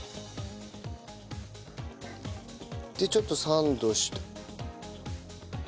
でちょっとサンドして。